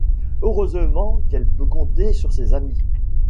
Heureusement qu'elle peut compter sur ses amis.